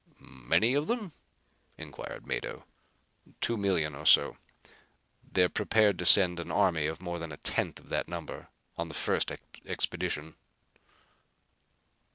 "Many of them?" inquired Mado. "Two million or so. They're prepared to send an army of more than a tenth of that number on the first expedition."